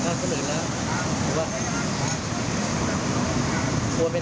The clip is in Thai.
แล้อุตสาห์ให้งานทำอยู่นี่แล้วไม่ได้แล้ว